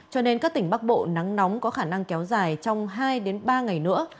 cho nên các tỉnh bắc bộ nắng nóng có khả năng kéo dài trong hai ba ngày nữa